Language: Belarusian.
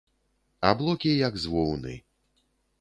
Аблокі, як з воўны.